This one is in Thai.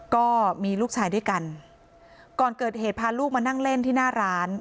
ก็มีลูกชายด้วยกันก่อนเกิดเหตุพาลูกมานั่งเล่นที่หน้าร้าน